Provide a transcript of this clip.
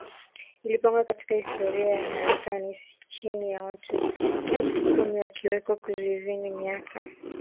ilipangwa katika historia ya Marekani si chini ya watu elfu kumi waliwekwa kizuizini miaka